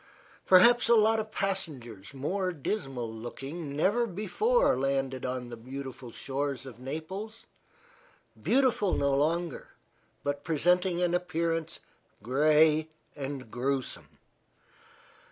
Perhaps a lot of passengers more dismal looking never before landed on the beautiful shores of Naples beautiful no longer, but presenting an appearance gray and grewsome.